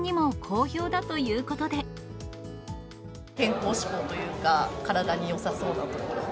健康志向というか、体によさそうなところ。